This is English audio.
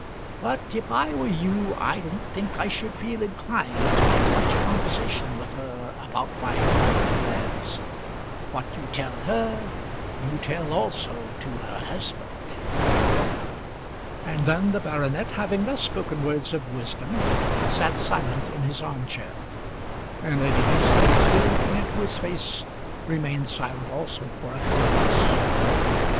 But, if I were you, I don't think that I should feel inclined to have much conversation with her about my private affairs. What you tell her you tell also to her husband." And then the baronet, having thus spoken words of wisdom, sat silent in his arm chair; and Lady Mason, still looking into his face, remained silent also for a few minutes.